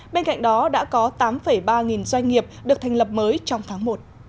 bên cạnh đó đã có tám ba nghìn doanh nghiệp được thành lập mới trong tháng một